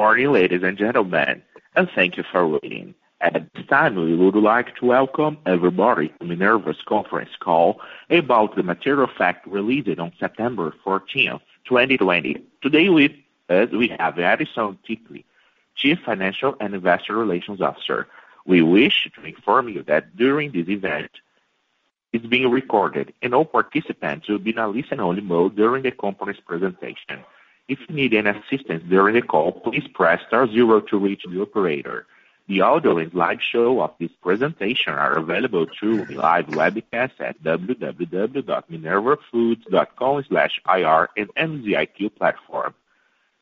Good morning, ladies and gentlemen, and thank you for waiting. At this time, we would like to welcome everybody to Minerva's conference call about the material fact released on September 14th, 2020. Today with us, we have Edison Ticle, Chief Financial and Investor Relations Officer. We wish to inform you that during this event, it's being recorded, and all participants will be in a listen-only mode during the company's presentation. If you need any assistance during the call, please press star zero to reach the operator. The audio and slideshow of this presentation are available through live webcast at www.minervafoods.com/ir and MZiQ platform.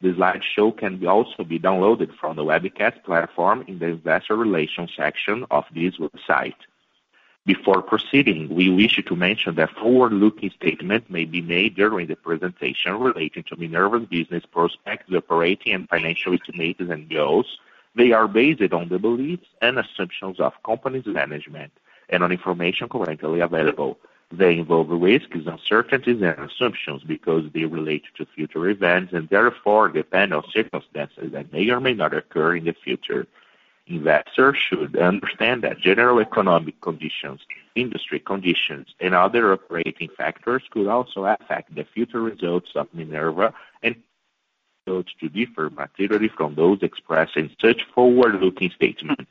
The slideshow can also be downloaded from the webcast platform in the investor relations section of this website. Before proceeding, we wish to mention that forward-looking statements may be made during the presentation relating to Minerva business prospects, the operating and financial estimates, and goals. They are based on the beliefs and assumptions of company's management and on information currently available. They involve risks, uncertainties, and assumptions because they relate to future events and therefore depend on circumstances that may or may not occur in the future. Investors should understand that general economic conditions, industry conditions, and other operating factors could also affect the future results of Minerva and those to differ materially from those expressed in such forward-looking statements.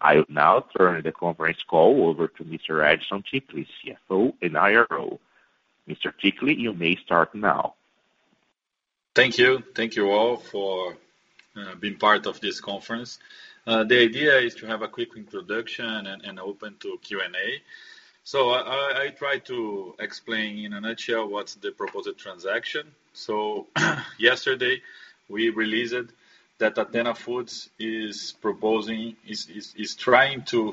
I will now turn the conference call over to Mr. Edison Ticle, CFO and IRO. Mr. Ticle, you may start now. Thank you. Thank you all for being part of this conference. The idea is to have a quick introduction and open to Q&A. I try to explain in a nutshell what's the proposed transaction. Yesterday, we released that Athena Foods is trying to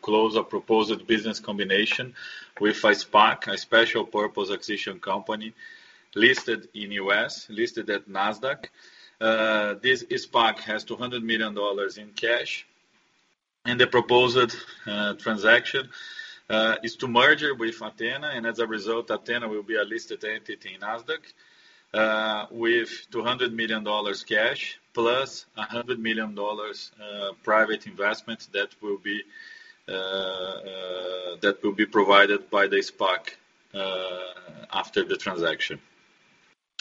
close a proposed business combination with a SPAC, a special purpose acquisition company, listed in U.S., listed at Nasdaq. This SPAC has $200 million in cash, and the proposed transaction is to merge with Athena, and as a result, Athena will be a listed entity in Nasdaq with $200 million cash plus $100 million private investment that will be provided by the SPAC after the transaction.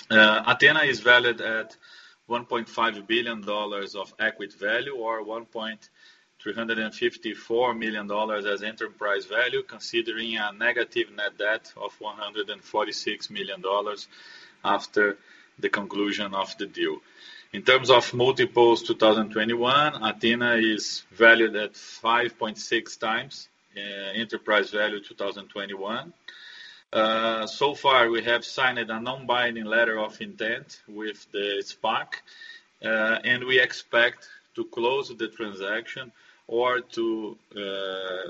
Athena is valued at $1.5 billion of equity value or $1.354 billion as enterprise value, considering a negative net debt of $146 million after the conclusion of the deal. In terms of multiples 2021, Athena Foods is valued at 5.6x enterprise value 2021. We have signed a non-binding letter of intent with the SPAC, and we expect to close the transaction or to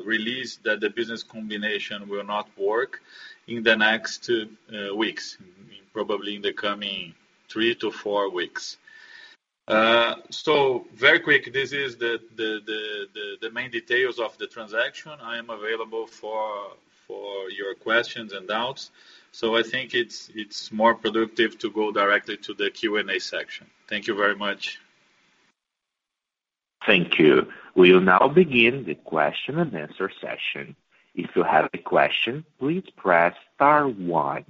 release that the business combination will not work in the next weeks, probably in the coming three to four weeks. Very quick, this is the main details of the transaction. I am available for your questions and doubts. I think it's more productive to go directly to the Q&A section. Thank you very much. Thank you. We'll now begin the question and answer session. If you have a question, please press star one.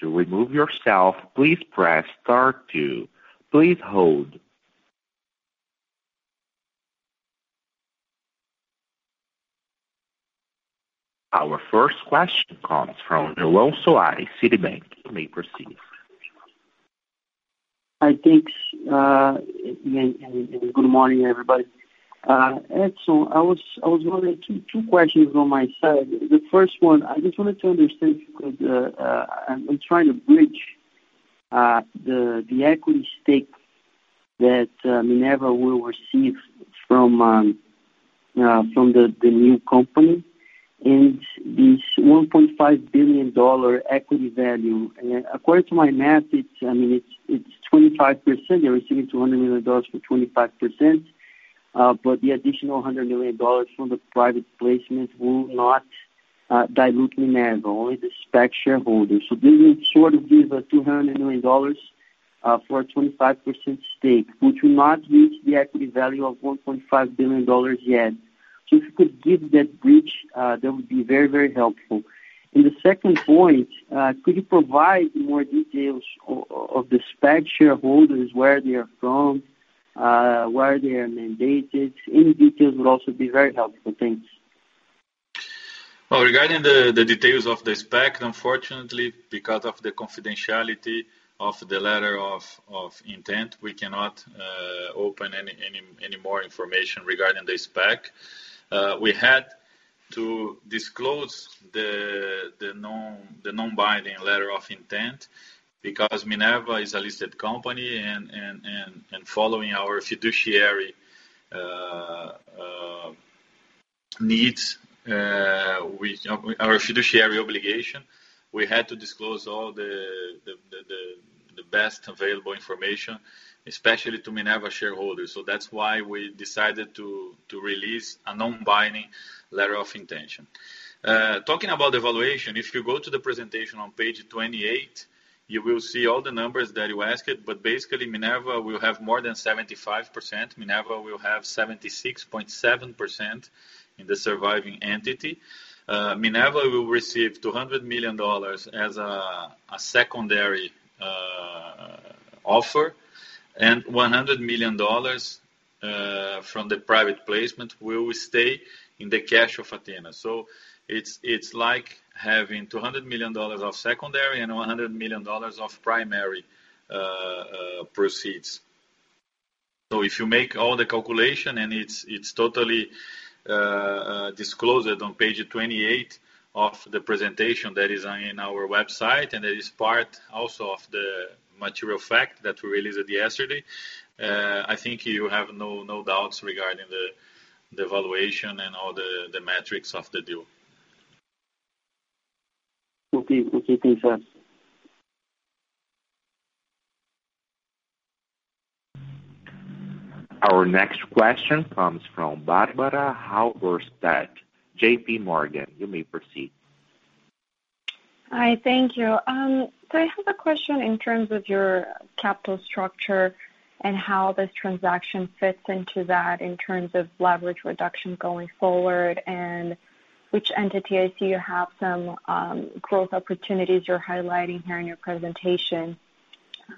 To remove yourself, please press star two. Please hold. Our first question comes from João Soares, Citibank. You may proceed. Hi, thanks, and good morning, everybody. Edison, I was wondering two questions on my side. The first one, I just wanted to understand because I am trying to bridge the equity stake that Minerva will receive from the new company and this $1.5 billion equity value. According to my math, it is 25%, you are receiving $200 million for 25%, but the additional $100 million from the private placement will not dilute Minerva, only the SPAC shareholders. This will sort of give us $200 million for a 25% stake, which will not reach the equity value of $1.5 billion yet. If you could give that bridge, that would be very helpful. The second point, could you provide more details of the SPAC shareholders, where they are from, where they are mandated? Any details would also be very helpful. Thanks. Well, regarding the details of the SPAC, unfortunately, because of the confidentiality of the letter of intent, we cannot open any more information regarding the SPAC. We had to disclose the non-binding letter of intent because Minerva is a listed company, and following our fiduciary needs, our fiduciary obligation, we had to disclose all the best available information, especially to Minerva shareholders. That's why we decided to release a non-binding letter of intention. Talking about the valuation, if you go to the presentation on page 28. You will see all the numbers that you asked, but basically, Minerva will have more than 75%. Minerva will have 76.7% in the surviving entity. Minerva will receive $200 million as a secondary offer, and $100 million from the private placement will stay in the cash of Athena. It's like having $200 million of secondary and $100 million of primary proceeds. If you make all the calculation, and it's totally disclosed on page 28 of the presentation that is on our website, and that is part also of the material fact that we released yesterday. I think you have no doubts regarding the valuation and all the metrics of the deal. Okay. Thanks. Our next question comes from Barbara Halberstadt, J.P. Morgan. You may proceed. Hi, thank you. I have a question in terms of your capital structure and how this transaction fits into that in terms of leverage reduction going forward. Which entity, I see you have some growth opportunities you're highlighting here in your presentation,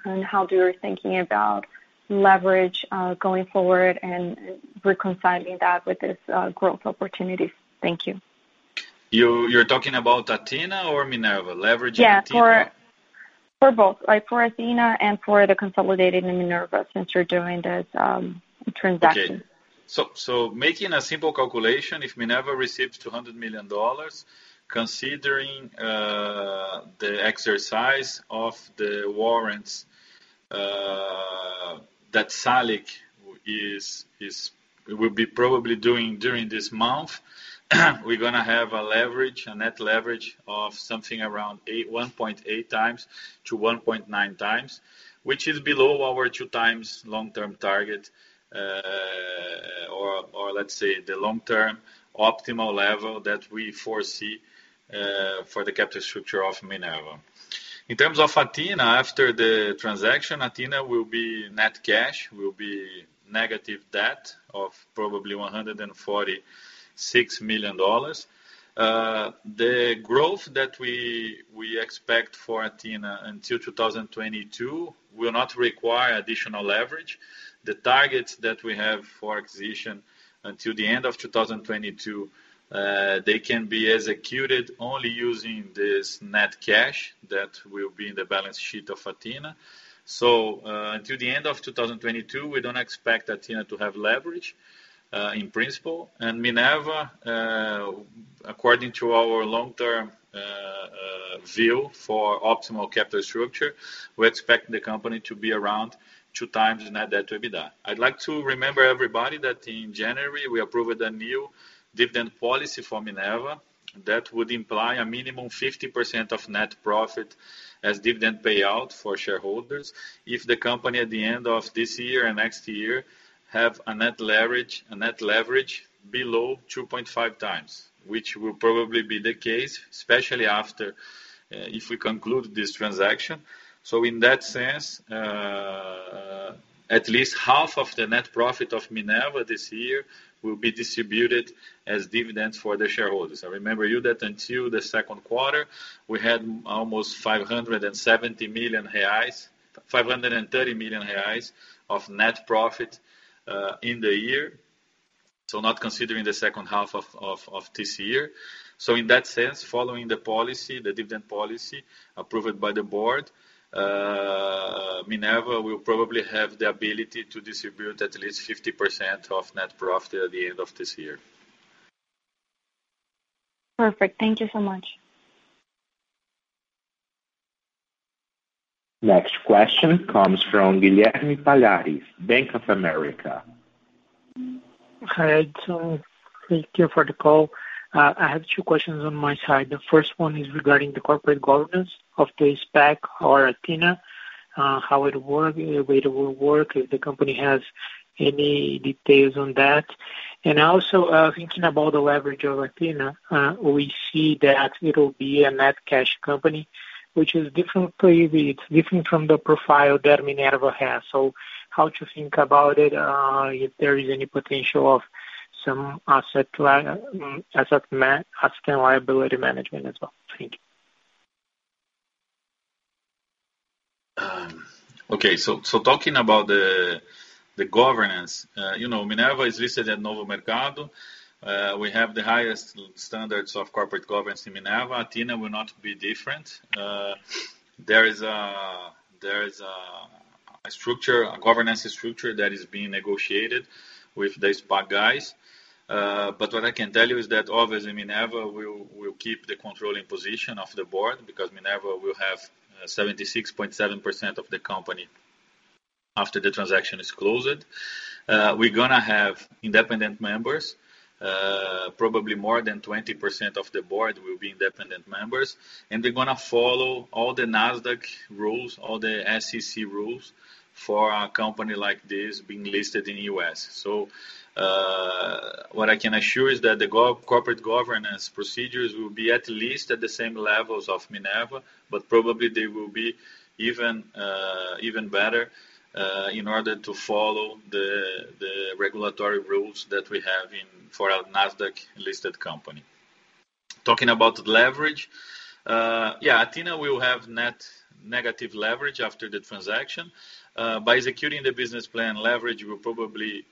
and how you are thinking about leverage going forward and rpeconciling that with this growth opportunities? Thank you. You're talking about Athena or Minerva, leveraging Athena? Yeah. For both. For Athena and for the consolidated Minerva since you're doing this transaction. Okay. Making a simple calculation, if Minerva receives BRL 200 million, considering the exercise of the warrants that SALIC will be probably doing during this month, we're going to have a leverage, a net leverage of something around 1.8x to 1.9x, which is below our 2x long-term target, or let's say, the long-term optimal level that we foresee for the capital structure of Minerva. In terms of Athena, after the transaction, Athena will be net cash, will be negative debt of probably BRL 146 million. The growth that we expect for Athena until 2022 will not require additional leverage. The targets that we have for acquisition until the end of 2022, they can be executed only using this net cash that will be in the balance sheet of Athena. Until the end of 2022, we don't expect Athena to have leverage, in principle. Minerva, according to our long-term view for optimal capital structure, we expect the company to be around 2x net debt to EBITDA. I'd like to remember everybody that in January, we approved a new dividend policy for Minerva that would imply a minimum 50% of net profit as dividend payout for shareholders if the company at the end of this year and next year have a net leverage below 2.5x, which will probably be the case, especially after if we conclude this transaction. In that sense, at least half of the net profit of Minerva this year will be distributed as dividends for the shareholders. I remember you that until the second quarter, we had almost 530 million reais of net profit in the year, not considering the second half of this year. In that sense, following the policy, the dividend policy approved by the board, Minerva will probably have the ability to distribute at least 50% of net profit at the end of this year. Perfect. Thank you so much. Next question comes from Guilherme Palhares, Bank of America. Hi, Edison. Thank you for the call. I have two questions on my side. The first one is regarding the corporate governance of the SPAC or Athena, how it will work, if the company has any details on that. Also, thinking about the leverage of Athena, we see that it'll be a net cash company, which is different from the profile that Minerva has. How to think about it, if there is any potential of some asset liability management as well. Thank you. Okay. Talking about the governance, Minerva is listed at Novo Mercado. We have the highest standards of corporate governance in Minerva. Athena will not be different. There is a governance structure that is being negotiated with the SPAC guys. What I can tell you is that obviously, Minerva will keep the controlling position of the board because Minerva will have 76.7% of the company after the transaction is closed. We're going to have independent members, probably more than 20% of the board will be independent members, and they're going to follow all the NASDAQ rules, all the SEC rules for a company like this being listed in U.S.. What I can assure is that the corporate governance procedures will be at least at the same levels of Minerva, but probably they will be even better in order to follow the regulatory rules that we have for our Nasdaq-listed company. Talking about leverage. Yeah, Athena will have net negative leverage after the transaction. By executing the business plan, leverage will probably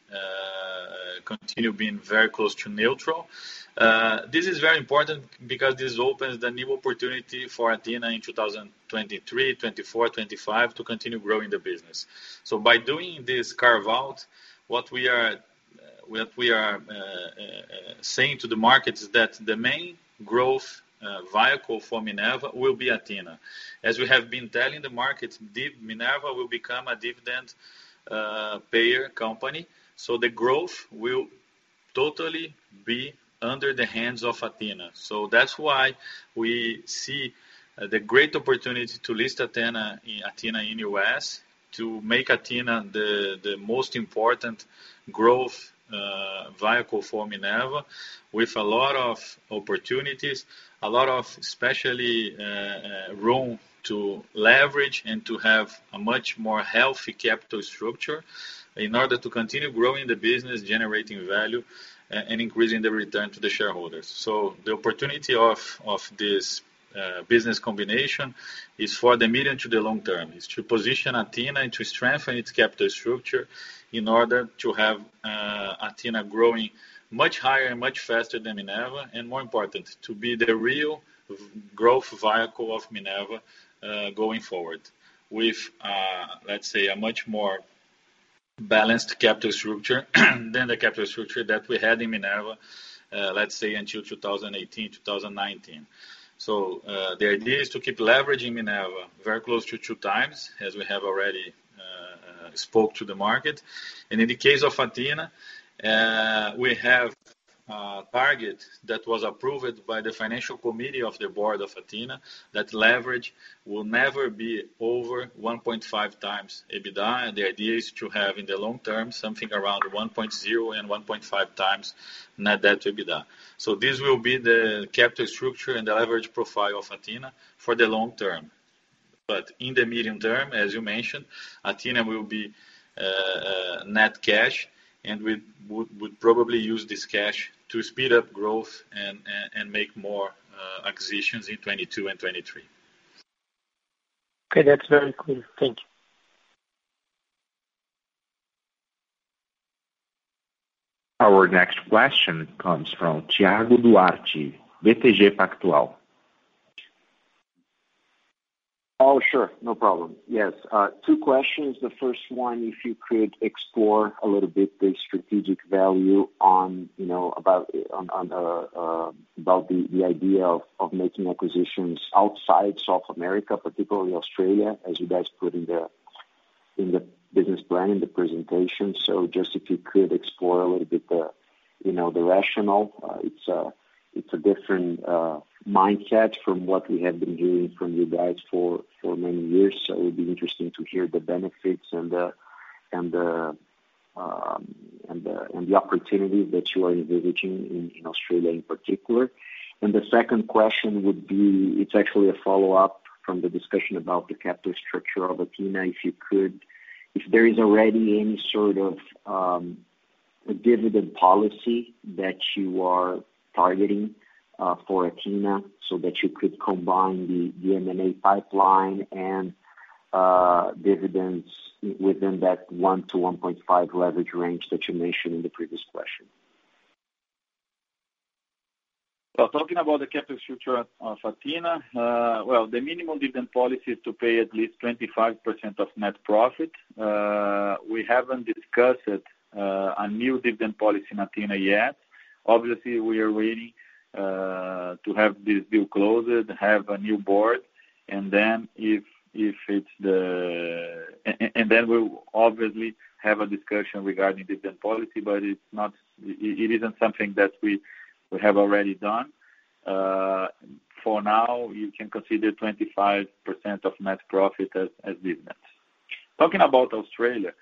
continue being very close to neutral. This is very important because this opens the new opportunity for Athena in 2023, 2024, 2025, to continue growing the business. By doing this carve-out, what we are saying to the market is that the main growth vehicle for Minerva will be Athena. As we have been telling the market, Minerva will become a dividend payer company, so the growth will totally be under the hands of Athena. That's why we see the great opportunity to list Athena in U.S., to make Athena the most important growth vehicle for Minerva, with a lot of opportunities, especially room to leverage and to have a much more healthy capital structure in order to continue growing the business, generating value, and increasing the return to the shareholders. The opportunity of this business combination is for the medium to the long term. It's to position Athena and to strengthen its capital structure in order to have Athena growing much higher and much faster than Minerva. More important, to be the real growth vehicle of Minerva going forward with, let's say, a much more balanced capital structure than the capital structure that we had in Minerva, let's say, until 2018, 2019. The idea is to keep leveraging Minerva very close to 2x as we have already spoke to the market. In the case of Athena, we have a target that was approved by the financial committee of the board of Athena, that leverage will never be over 1.5x EBITDA. The idea is to have, in the long term, something around 1.0x and 1.5x net debt to EBITDA. This will be the capital structure and the leverage profile of Athena for the long term. In the medium term, as you mentioned, Athena will be net cash, and we would probably use this cash to speed up growth and make more acquisitions in 2022 and 2023. Okay. That's very clear. Thank you. Our next question comes from Thiago Duarte, BTG Pactual. Oh, sure. No problem. Yes, two questions. The first one, if you could explore a little bit the strategic value about the idea of making acquisitions outside South America, particularly Australia, as you guys put in the business plan, in the presentation. Just if you could explore a little bit the rationale. It's a different mindset from what we have been hearing from you guys for many years. It would be interesting to hear the benefits and the opportunities that you are envisaging in Australia in particular. The second question would be, it's actually a follow-up from the discussion about the capital structure of Athena. If there is already any sort of a dividend policy that you are targeting for Athena so that you could combine the M&A pipeline and dividends within that one to 1.5 leverage range that you mentioned in the previous question. Well, talking about the capital structure of Athena. Well, the minimum dividend policy is to pay at least 25% of net profit. We haven't discussed it, a new dividend policy in Athena yet. Obviously, we are waiting to have this deal closed, have a new board, and then we'll obviously have a discussion regarding dividend policy. It isn't something that we have already done. For now, you can consider 25% of net profit as business. Talking about Australia.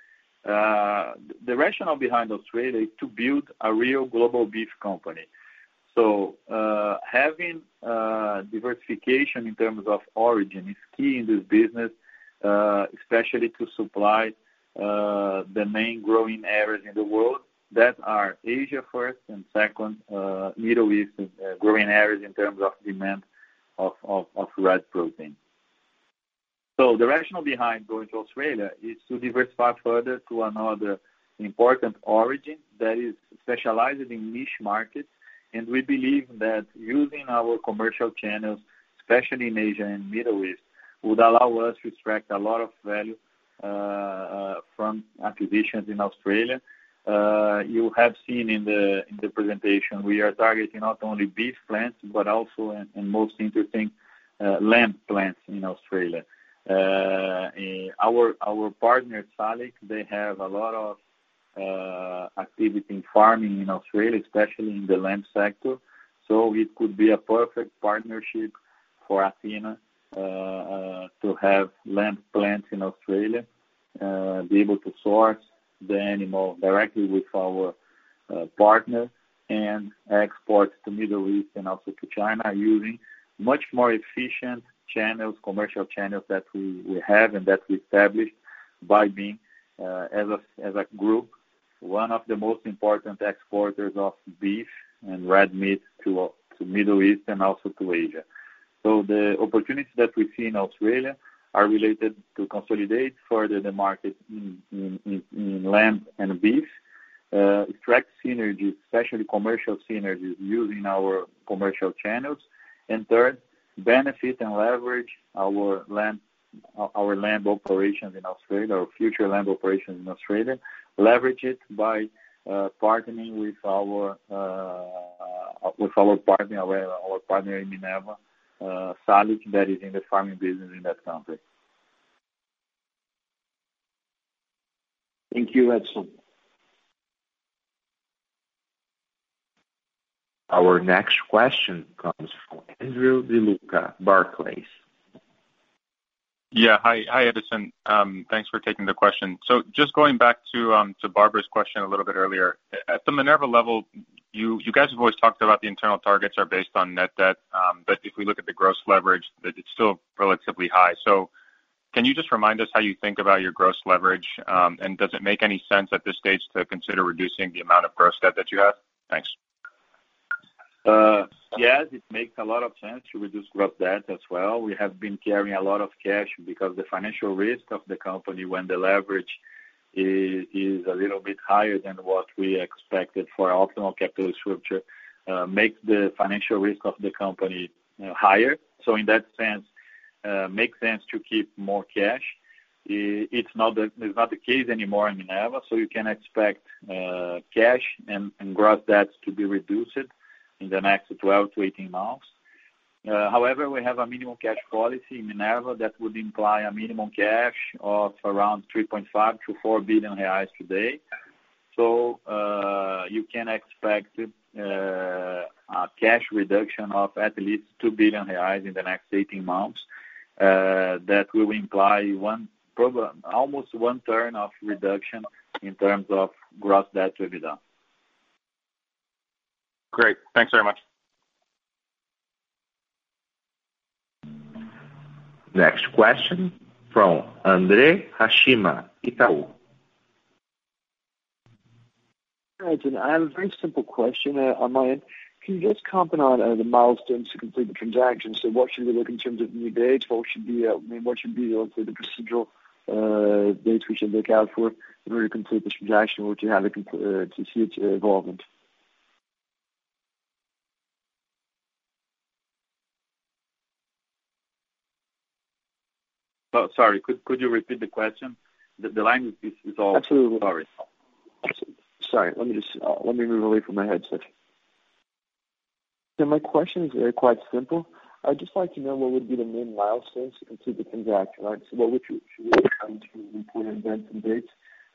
The rationale behind Australia is to build a real global beef company. Having diversification in terms of origin is key in this business, especially to supply the main growing areas in the world. That are Asia first, and second, Middle East is a growing areas in terms of demand of red protein. The rationale behind going to Australia is to diversify further to another important origin that is specialized in niche markets. We believe that using our commercial channels, especially in Asia and Middle East, would allow us to extract a lot of value from acquisitions in Australia. You have seen in the presentation, we are targeting not only beef plants, but also, and most interesting, lamb plants in Australia. Our partner, SALIC, they have a lot of activity in farming in Australia, especially in the lamb sector, so it could be a perfect partnership. For Athena to have lamb plants in Australia, be able to source the animal directly with our partners and export to Middle East and also to China, using much more efficient commercial channels that we have and that we established by being, as a group, one of the most important exporters of beef and red meat to Middle East and also to Asia. The opportunities that we see in Australia are related to consolidate further the market in lamb and beef, attract synergies, especially commercial synergies, using our commercial channels. Third, benefit and leverage our lamb operations in Australia, our future lamb operations in Australia, leverage it by partnering with our partner in Minerva, SALIC, that is in the farming business in that country. Thank you, Edison. Our next question comes from Andrew De Luca, Barclays. Yeah. Hi, Edison. Thanks for taking the question. Just going back to Barbara's question a little bit earlier. At the Minerva level, you guys have always talked about the internal targets are based on net debt, but if we look at the gross leverage, that it's still relatively high. Can you just remind us how you think about your gross leverage? Does it make any sense at this stage to consider reducing the amount of gross debt that you have? Thanks. Yes, it makes a lot of sense to reduce gross debt as well. We have been carrying a lot of cash because the financial risk of the company when the leverage is a little bit higher than what we expected for our optimal capital structure makes the financial risk of the company higher. In that sense, make sense to keep more cash. It's not the case anymore in Minerva, so you can expect cash and gross debt to be reduced in the next 12-18 months. However, we have a minimum cash policy in Minerva that would imply a minimum cash of around 3.5 billion-4 billion reais today. You can expect a cash reduction of at least 2 billion reais in the next 18 months. That will imply almost one turn of reduction in terms of gross debt to EBITDA. Great. Thanks very much. Next question from André Hachem, Itaú. Hi, Edison. I have a very simple question on my end. Can you just comment on the milestones to complete the transaction? What should we look in terms of new dates? What should be the procedural dates we should look out for in order to complete this transaction or to see its involvement? Sorry, could you repeat the question? The line is all blurry. Absolutely. Sorry. Let me move away from my headset. My question is quite simple. I'd just like to know what would be the main milestones to complete the transaction, right? What should we look out to report events and dates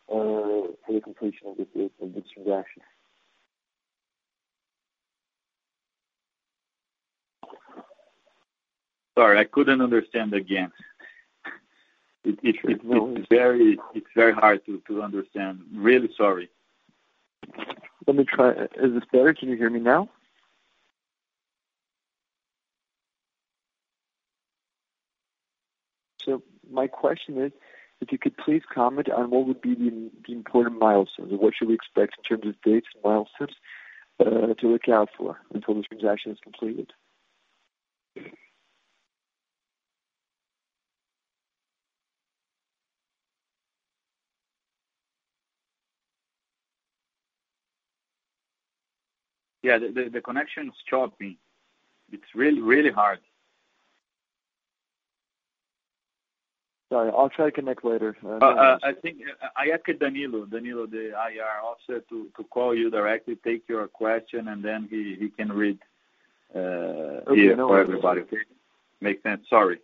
for the completion of this transaction? Sorry, I couldn't understand again. It's very hard to understand. Really sorry. Let me try. Is this better? Can you hear me now? My question is, if you could please comment on what would be the important milestones and what should we expect in terms of dates and milestones to look out for until this transaction is completed? Yeah. The connection is choppy. It's really hard. Sorry. I'll try to connect later. I think I asked Danilo, the IR officer, to call you directly, take your question, and then he can read here for everybody. Make sense? Sorry.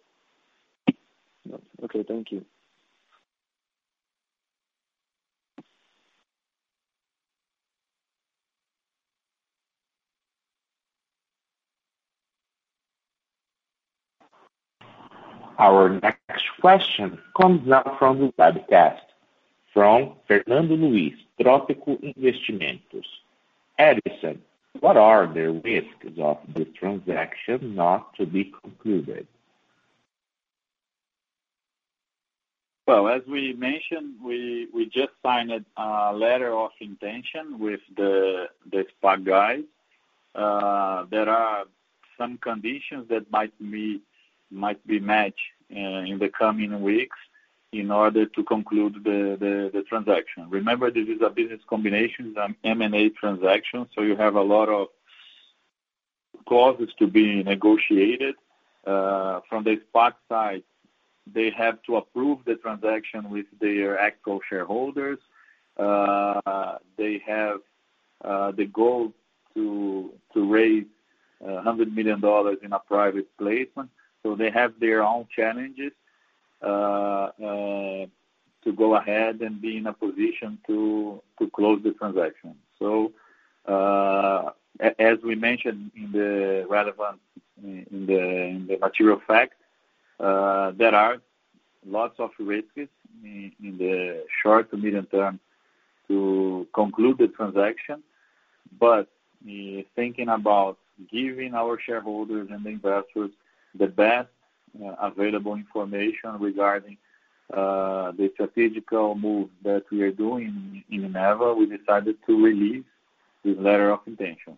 Okay. Thank you. Our next question comes now from the webcast from Fernando Luiz, Trópico Investimentos. Edson, what are the risks of the transaction not to be concluded? As we mentioned, we just signed a letter of intention with the SPAC guys. There are some conditions that might be matched in the coming weeks in order to conclude the transaction. Remember, this is a business combination. It's an M&A transaction, so you have a lot of clauses to be negotiated. From the SPAC side, they have to approve the transaction with their actual shareholders. They have the goal to raise $100 million in a private placement, so they have their own challenges to go ahead and be in a position to close the transaction. As we mentioned in the material facts, there are lots of risks in the short to medium term to conclude the transaction. Thinking about giving our shareholders and investors the best available information regarding the strategic move that we are doing in Minerva, we decided to release this letter of intention.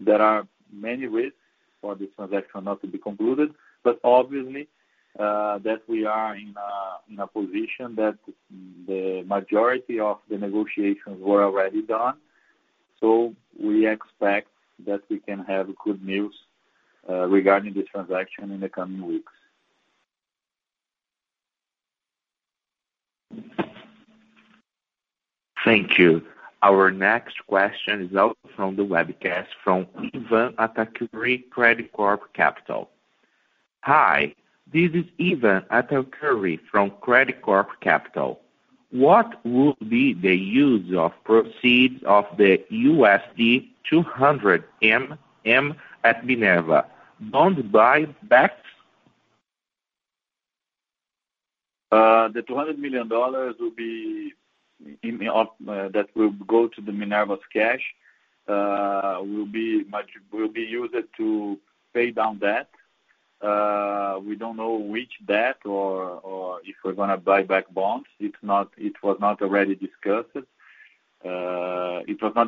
There are many ways for this transaction not to be concluded, but obviously, that we are in a position that the majority of the negotiations were already done. We expect that we can have good news regarding this transaction in the coming weeks. Thank you. Our next question is also from the webcast, from Ivan Tarqui, Credicorp Capital. Hi, this is Ivan Tarqui from Credicorp Capital. What would be the use of proceeds of the $200 million at Minerva? Bond buybacks? The $200 million that will go to Minerva's cash will be used to pay down debt. We don't know which debt or if we're going to buy back bonds. It was not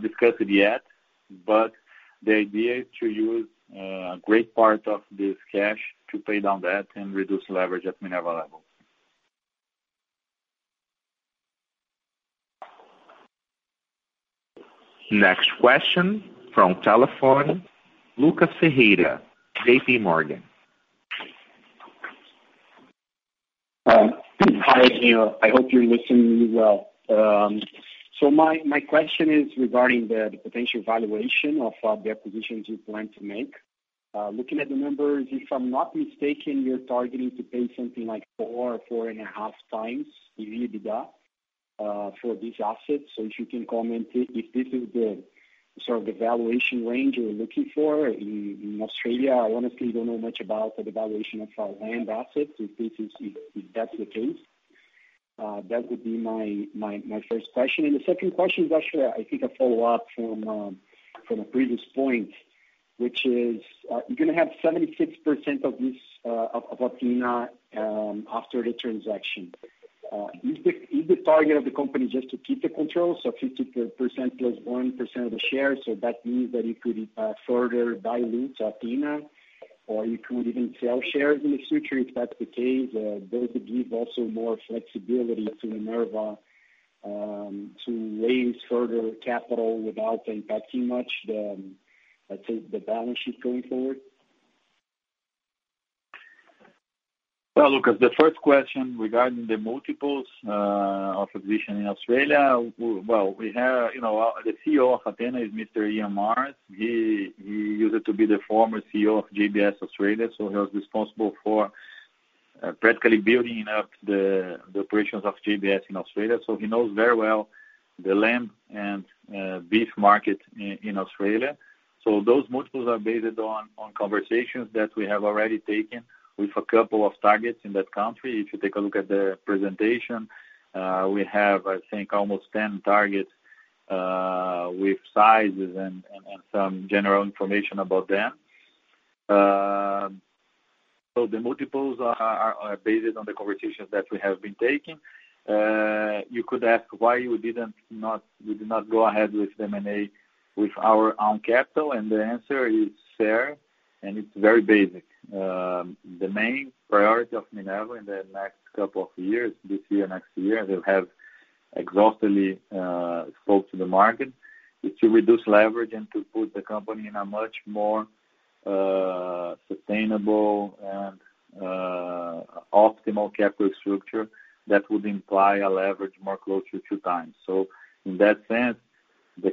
discussed yet, but the idea is to use a great part of this cash to pay down debt and reduce leverage at Minerva level. Next question, from telephone, Lucas Ferreira, J.P. Morgan. Hi, Edison. I hope you're listening to me well. My question is regarding the potential valuation of the acquisitions you plan to make. Looking at the numbers, if I'm not mistaken, you're targeting to pay something like 4.5x the EBITDA for these assets. If you can comment if this is the sort of the valuation range you're looking for in Australia. I honestly don't know much about the valuation of lamb assets, if that's the case. That would be my first question. The second question is actually, I think, a follow-up from a previous point, which is, you're going to have 76% of Athena after the transaction. Is the target of the company just to keep the control? 50%+1% of the shares, so that means that you could further dilute Athena, or you could even sell shares in the future. If that's the case, that would give also more flexibility to Minerva to raise further capital without impacting much the, let's say, the balance sheet going forward. Well, Lucas, the first question regarding the multiples of acquisition in Australia. Well, the CEO of Athena is Mr. Iain Mars. He used to be the former CEO of JBS Australia, so he was responsible for practically building up the operations of JBS in Australia. He knows very well the lamb and beef market in Australia. Those multiples are based on conversations that we have already taken with a couple of targets in that country. If you take a look at the presentation, we have, I think, almost 10 targets with sizes and some general information about them. Those multiples are based on the conversations that we have been taking. You could ask why we did not go ahead with M&A with our own capital, and the answer is fair, and it's very basic. The main priority of Minerva in the next couple of years, this year, next year, they'll have exhaustively spoke to the market, is to reduce leverage and to put the company in a much more sustainable and optimal capital structure that would imply a leverage more closer to time. In that sense, the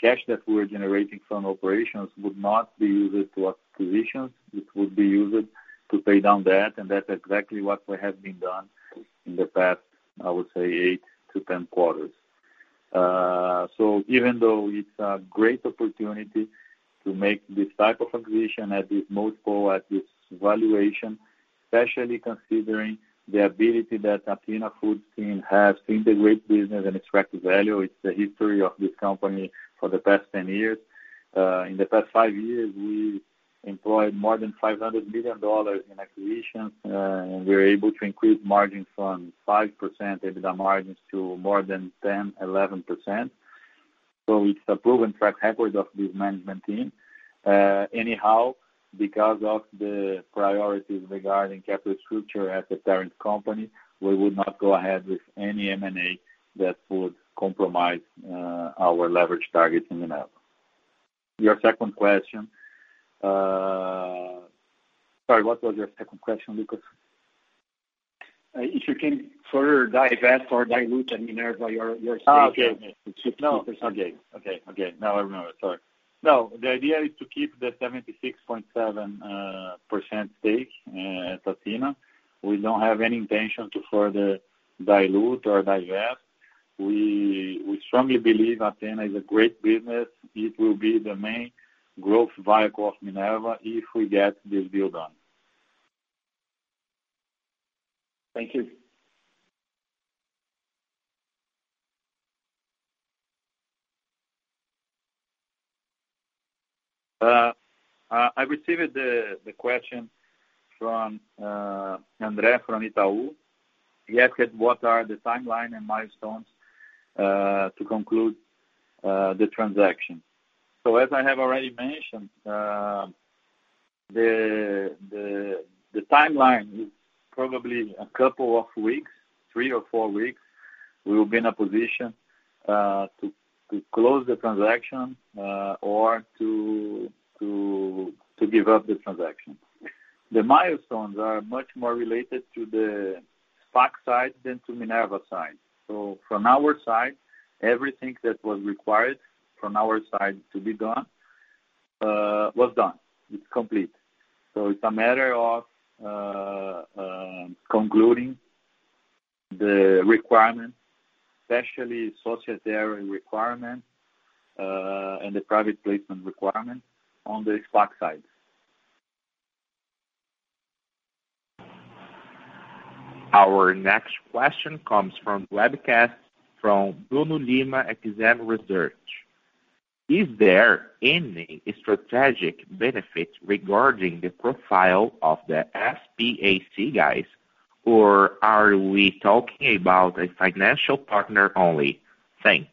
cash that we're generating from operations would not be used to acquisitions, it would be used to pay down debt, and that's exactly what has been done in the past, I would say, 8-10 quarters. Even though it's a great opportunity to make this type of acquisition at this multiple, at this valuation, especially considering the ability that Athena Foods team has to integrate business and extract value, it's the history of this company for the past 10 years. In the past five years, we employed more than BRL 500 million in acquisitions, and we were able to increase margins from 5% EBITDA margins to more than 10%, 11%. It's a proven track record of this management team. Because of the priorities regarding capital structure at the parent company, we would not go ahead with any M&A that would compromise our leverage targets in Minerva. Your second question. Sorry, what was your second question, Lucas? If you can further divest or dilute Minerva your stake. Okay. from 60%. Okay. Now I remember. Sorry. No, the idea is to keep the 76.7% stake at Athena. We don't have any intention to further dilute or divest. We strongly believe Athena is a great business. It will be the main growth vehicle of Minerva if we get this deal done. Thank you. I received the question from Andre from Itaú. He asked what are the timeline and milestones to conclude the transaction. As I have already mentioned, the timeline is probably a couple of weeks, three or four weeks, we will be in a position to close the transaction, or to give up the transaction. The milestones are much more related to the SPAC side than to Minerva side. From our side, everything that was required from our side to be done, was done. It's complete. It's a matter of concluding the requirement, especially societary requirement, and the private placement requirement on the SPAC side. Our next question comes from webcast from Bruno Lima, XP Research. Is there any strategic benefit regarding the profile of the SPAC guys, or are we talking about a financial partner only? Thanks.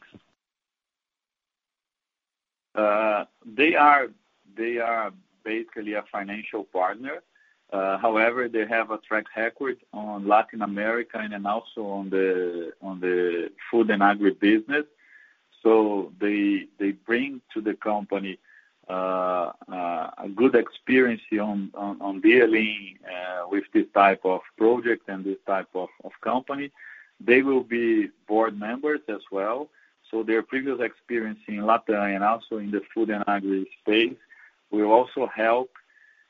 They are basically a financial partner. They have a track record on Latin America and also on the food and agribusiness. They bring to the company good experience on dealing with this type of project and this type of company. They will be board members as well. Their previous experience in LatAm and also in the food and agri space will also help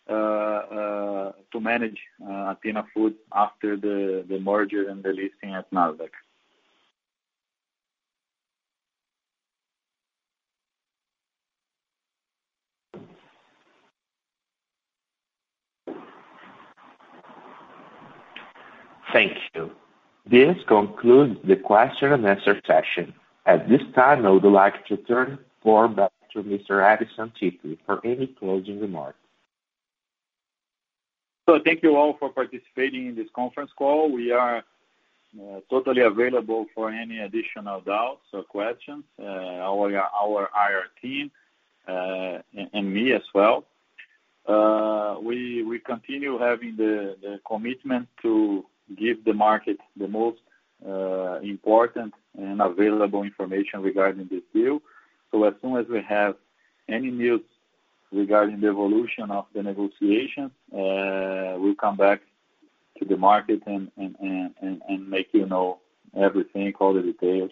to manage Athena Foods after the merger and the listing at Nasdaq. Thank you. This concludes the question and answer session. At this time, I would like to turn the floor back to Mr. Edison Ticle for any closing remarks. Thank you all for participating in this conference call. We are totally available for any additional doubts or questions, our IR team, and me as well. We continue having the commitment to give the market the most important and available information regarding this deal. As soon as we have any news regarding the evolution of the negotiation, we'll come back to the market and make you know everything, all the details.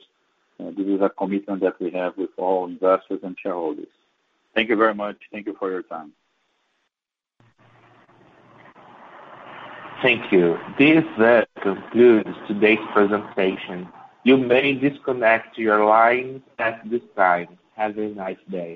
This is a commitment that we have with all investors and shareholders. Thank you very much. Thank you for your time. Thank you. This concludes today's presentation. You may disconnect your lines at this time. Have a nice day.